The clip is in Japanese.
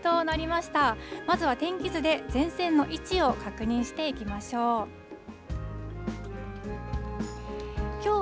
まずは天気図で前線の位置を確認していきましょう。